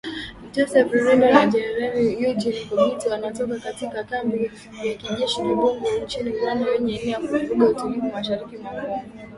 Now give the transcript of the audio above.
Joseph Rurindo na Generali Eugene Nkubito, wanatoka kambi ya kijeshi ya Kibungo nchini Rwanda wenye nia ya kuvuruga utulivu mashariki mwa Kongo